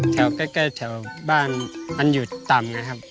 แถวใกล้แถวบ้านมันอยู่ต่ำนะครับ